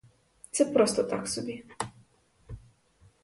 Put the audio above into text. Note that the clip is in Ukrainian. Це просто так собі.